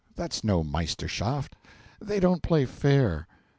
That's no Meisterschaft; they don't play fair.